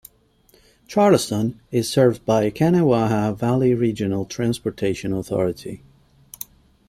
Charleston is served by Kanawha Valley Regional Transportation Authority.